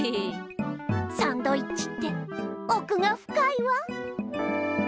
サンドイッチっておくがふかいわ。